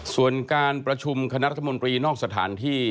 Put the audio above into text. ส่วนการประชุมคณะรัฐมนตรีนอกสถานที่